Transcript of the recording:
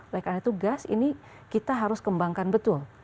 jadi gas ini kita harus kembangkan betul